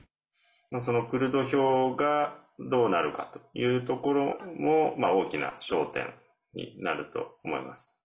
クルド票がどうなるかというところも大きな焦点になると思います。